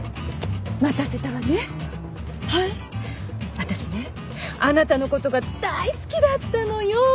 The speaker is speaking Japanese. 私ねあなたの事が大好きだったのよ！